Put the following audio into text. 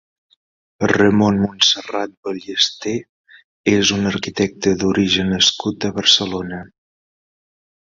Ramón Montserrat Ballesté és un arquitecte d'origen nascut a Barcelona.